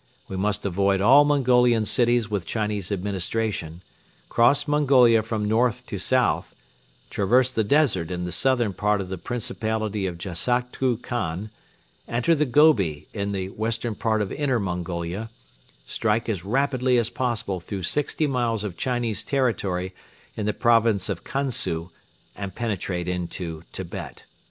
We must avoid all Mongolian cities with Chinese administration, cross Mongolia from north to south, traverse the desert in the southern part of the Principality of Jassaktu Khan, enter the Gobi in the western part of Inner Mongolia, strike as rapidly as possible through sixty miles of Chinese territory in the Province of Kansu and penetrate into Tibet.